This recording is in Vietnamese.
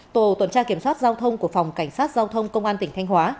tổ tuần tra kiểm soát giao thông của phòng cảnh sát giao thông công an tỉnh thanh hóa